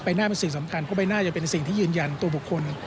หน้าเป็นสิ่งสำคัญเพราะใบหน้าจะเป็นสิ่งที่ยืนยันตัวบุคคล